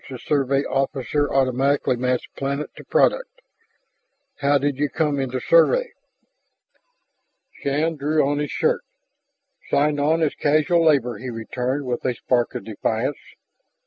The Survey officer automatically matched planet to product. "How did you come into Survey?" Shann drew on his shirt. "Signed on as casual labor," he returned with a spark of defiance.